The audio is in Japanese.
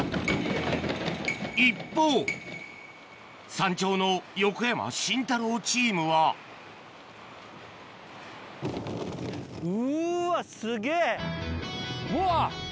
一方山頂の横山・慎太郎チームはうわ！うわ！